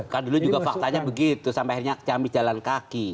kan dulu juga faktanya begitu sampai akhirnya cambit jalan kaki